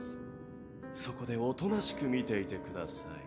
そこでおとなしく見ていてください。